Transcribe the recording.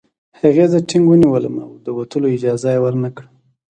هغې زه ټینګ ونیولم او د وتلو اجازه یې ورنکړه